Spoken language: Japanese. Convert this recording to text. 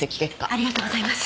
ありがとうございます。